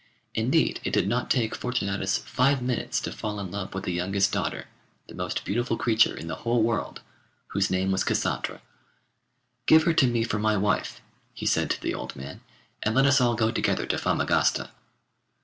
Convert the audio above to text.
Indeed, it did not take Fortunatus five minutes to fall in love with the youngest daughter, the most beautiful creature in the whole world, whose name was Cassandra. 'Give her to me for my wife,' he said to the old man, 'and let us all go together to Famagosta.